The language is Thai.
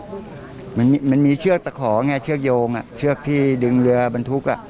มันมีมันมีเชือกตะขอไงเชือกโยงอ่ะเชือกที่ดึงเรือบรรทุกอ่ะ